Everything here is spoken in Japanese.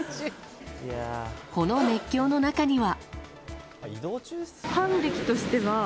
この熱狂の中には。